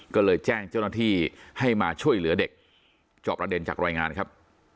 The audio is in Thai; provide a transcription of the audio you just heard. ก็เลยแจ้งเจ้าหน้าที่ให้มาช่วยเหลือเด็กจอบประเด็นจากรายงานครับ